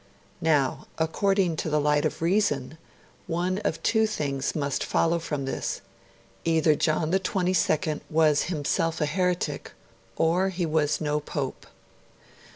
Now, according to the light of reason, one of two things must follow from this either John XXII was himself a heretic, or he was no Pope.